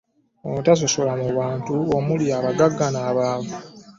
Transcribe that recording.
Ono atasosola mu bantu omuli abagagga n'abaavu